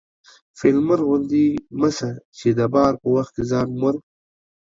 فيل مرغ غوندي مه سه چې د بار په وخت کې ځان مرغ